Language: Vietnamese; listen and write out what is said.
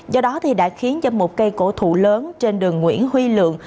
do đó đã khiến cho một cây cổ thụ lớn trên đường nguyễn huy lượng